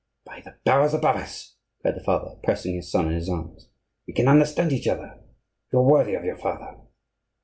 "By the powers above us!" cried the father, pressing his son in his arms, "we can understand each other; you are worthy of your father.